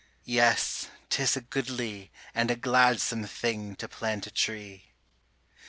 Yes, 'tis a goodly, and a gladsome thing To plant a tree.